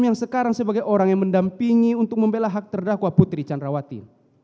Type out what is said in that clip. yang sekarang sebagai orang yang mendampingi untuk membela hak terdakwa putri candrawati